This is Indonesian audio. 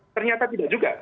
ternyata tidak juga